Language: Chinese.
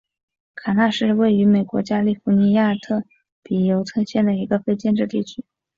卡纳是位于美国加利福尼亚州比尤特县的一个非建制地区。